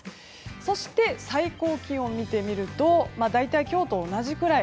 そして最高気温を見てみると大体、今日と同じくらい。